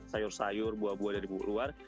sayur sayur buah buah dari luar